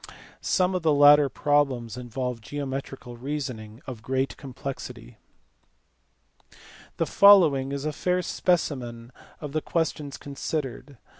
Some of the latter problems involve geometrical reason ing of great complexity. The following is a fair specimen of the questions considered.